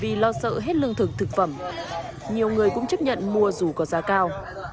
vì lo sợ hết lương thực thực phẩm nhiều người cũng chấp nhận mua dù có giá cao